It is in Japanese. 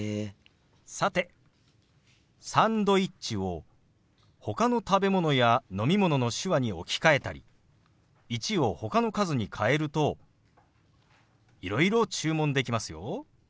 さて「サンドイッチ」をほかの食べ物や飲み物の手話に置き換えたり「１」をほかの数に変えるといろいろ注文できますよ。